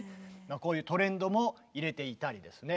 こういうトレンドも入れていたりですね。